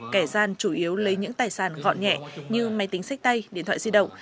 kẻ gian chủ yếu lấy những tài sản gọn nhẹ như máy tính sách tay điện thoại di động